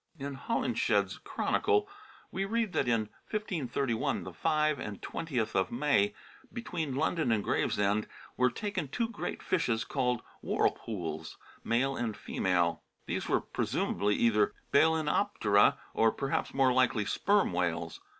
In Holinshed's Chronicle we read that in 1531 "the five and twentieth of Maie, between London and Gravesende were taken two great fishes called whorlepooles, male and female." These were pre sumably either Balcenoptera, or perhaps more likely Sperm whales.